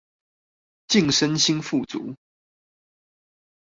晉身新富族